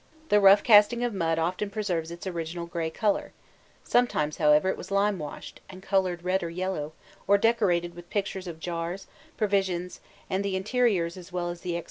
The rough casting of mud often preserves its original grey colour; sometimes, however, it was limewashed, and coloured red or yellow, or decorated with pictures of jars, provisions, and the interiors as well as the exteriors of houses.